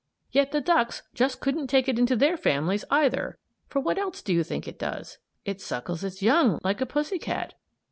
] Yet the ducks just couldn't take it into their families either, for what else do you think it does? It suckles its young, like a pussy cat!